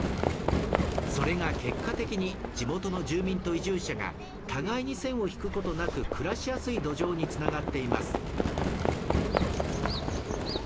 それが結果的に、地元の住民と移住者が互いに線を引くことなく暮らしやすい土壌に繋がっています。